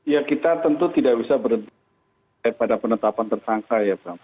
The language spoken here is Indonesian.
ya kita tentu tidak bisa berhenti pada penetapan tersangka ya